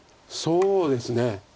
そうですね。